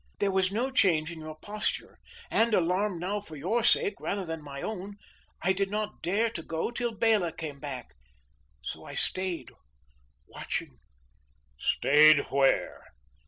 There was no change in your posture; and, alarmed now for your sake rather than for my own, I did not dare to go till Bela came back. So I stayed watching." "Stayed where?"